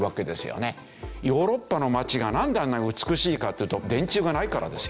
ヨーロッパの街がなんであんなに美しいかっていうと電柱がないからですよ。